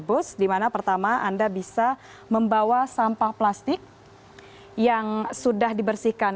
bus dimana pertama anda bisa membawa sampah plastik yang sudah dibersihkan